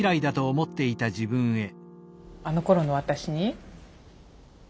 あのころの私に？